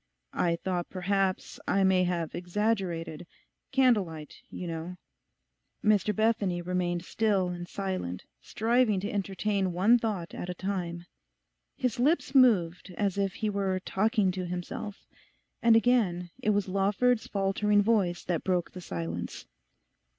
I thought perhaps I may have exaggerated—candle light, you know.' Mr Bethany remained still and silent, striving to entertain one thought at a time. His lips moved as if he were talking to himself. And again it was Lawford's faltering voice that broke the silence.